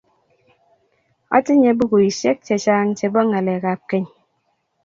Otinye bukuisiek chechang chebo ngalekap keny